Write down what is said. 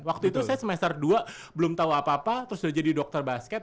waktu itu saya semester dua belum tahu apa apa terus sudah jadi dokter basket